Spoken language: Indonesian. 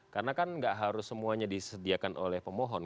karena kan tidak harus semuanya disediakan oleh pemohon